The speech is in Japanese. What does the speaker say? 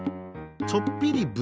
ちょっぴりぶ